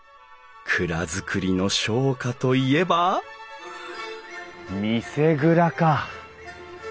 蔵造りの商家といえば見世蔵か！